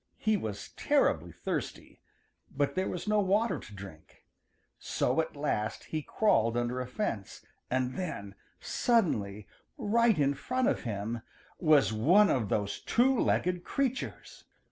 He was terribly thirsty, but there was no water to drink. So at last he crawled under a fence, and then suddenly, right in front of him, was one of those two legged creatures!